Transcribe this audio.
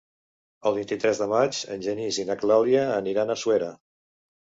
El vint-i-tres de maig en Genís i na Clàudia aniran a Suera.